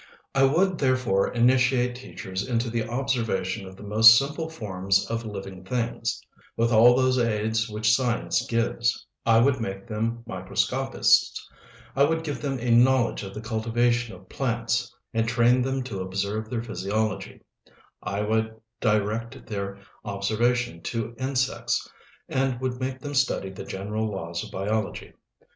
I would therefore initiate teachers into the observation of the most simple forms of living things, with all those aids which science gives; I would make them microscopists; I would give them a knowledge of the cultivation of plants and train them to observe their physiology; I would direct their observation to insects, and would make them study the general laws of biology.